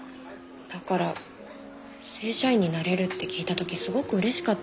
だから正社員になれるって聞いた時すごくうれしかった。